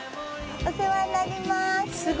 お世話になります。